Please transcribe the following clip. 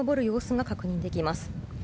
様子が確認できます。